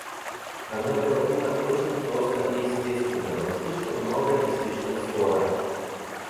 Она говорила очень просто и естественно, но слишком много и слишком скоро.